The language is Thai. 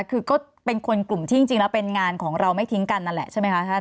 คือก็เป็นคนกลุ่มที่จริงแล้วเป็นงานของเราไม่ทิ้งกันนั่นแหละใช่ไหมคะท่าน